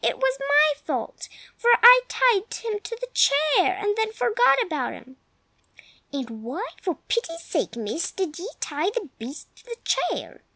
It was my fault, for I tied him to the chair, and then forgot about him." "And why, for the pity's sake, miss, did ye tie the baste to the chair?"